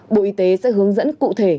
bộ y tế sẽ hướng dẫn cụ thể